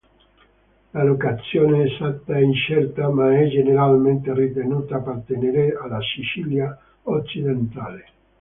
La locazione esatta è incerta, ma è generalmente ritenuta appartenere alla Sicilia occidentale.